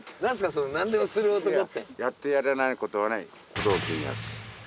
その「なんでもする男」って。